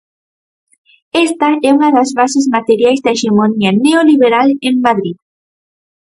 Esta é unha das bases materiais da hexemonía neoliberal en Madrid.